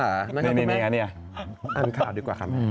อั่นข่าวดีกว่าครับ